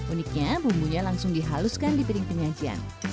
uniknya bumbunya langsung dihaluskan di piring penyajian